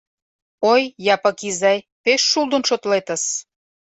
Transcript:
Ой, Япык изай, пеш шулдын шотлетыс.